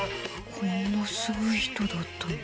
こんなすごい人だったんだ。